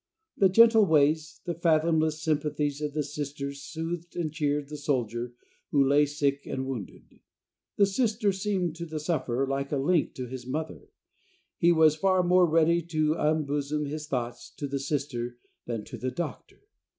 The gentle ways, the fathomless sympathies of the Sisters soothed and cheered the soldier who lay sick and wounded. The Sister seemed to the sufferer like a link to his mother. He was far more ready to unbosom his thoughts to the Sister than to the doctor.